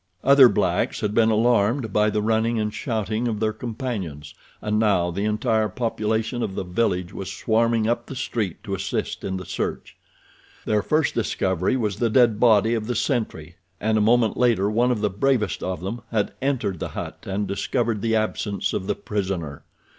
Other blacks had been alarmed by the running and shouting of their companions and now the entire population of the village was swarming up the street to assist in the search. Their first discovery was the dead body of the sentry, and a moment later one of the bravest of them had entered the hut and discovered the absence of the prisoner.